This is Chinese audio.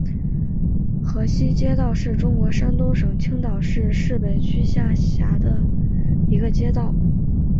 河西街道是中国山东省青岛市市北区下辖的一个街道。